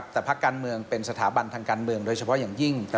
แต่ภาคการเมืองเป็นสถาบันทางการเมืองโดยเฉพาะอย่างยิ่ง